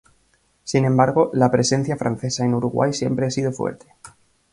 Sin embargo, la presencia francesa en Uruguay siempre ha sido fuerte.